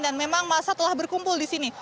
dan memang masa telah berkumpul di sini